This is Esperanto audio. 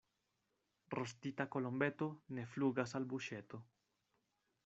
Rostita kolombeto ne flugas al buŝeto.